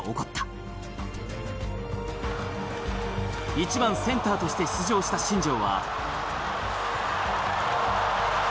１番センターとして出場した新庄は。